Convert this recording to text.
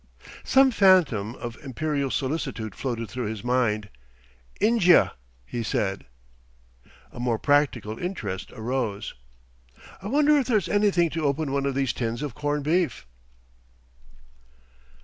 Some phantom of imperial solicitude floated through his mind. "Injia," he said.... A more practical interest arose. "I wonder if there's anything to open one of these tins of corned beef?"